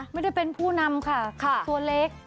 ไม่ได้เป็นผู้นำค่ะตัวเล็ก